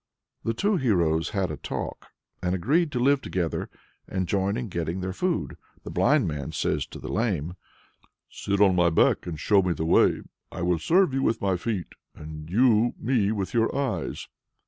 The two heroes had a talk, and agreed to live together, and join in getting their food. The blind man says to the lame: "Sit on my back and show me the way; I will serve you with my feet, and you me with your eyes."